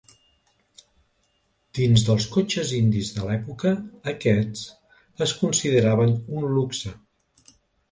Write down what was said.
Dins dels cotxes indis de l'època, aquests es consideraven un luxe.